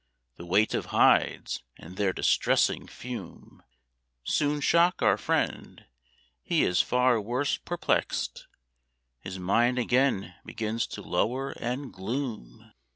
The weight of hides, and their distressing fume, Soon shock our friend; he is far worse perplexed: His mind again begins to lower and gloom.